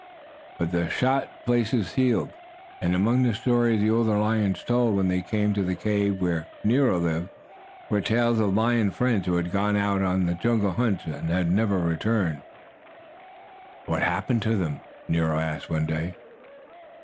But the shot places had healed. And among the stories the older lions told when they came to the cave where Nero lived, were tales of lion friends who had gone out on jungle hunts and had never returned. "What happened to them?" Nero asked one day.